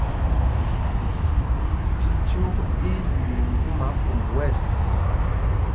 Cicyûk í í lüii ŋgúma pum wɛ̂ɛs.